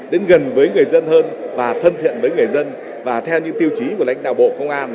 đến gần với người dân hơn và thân thiện với người dân và theo những tiêu chí của lãnh đạo bộ công an